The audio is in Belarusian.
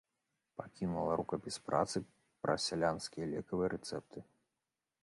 Пакінула рукапіс працы пра сялянскія лекавыя рэцэпты.